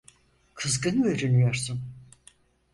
Kızgın görünüyorsun.